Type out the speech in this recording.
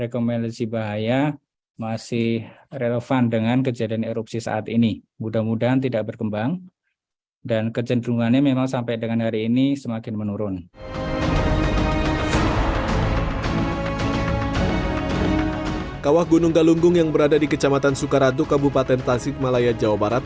kawah gunung galunggung yang berada di kecamatan soekaradu kabupaten tasik malaya jawa barat